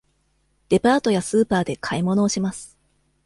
デパートやスーパーで買い物をします。